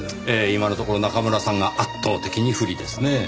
ええ今のところ中村さんが圧倒的に不利ですね。